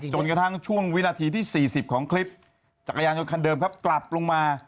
จนกระทั่งช่วงวินาทีที่๔๐ของคลิปจักรยานยนต์คันเดิมครับกลับลงมา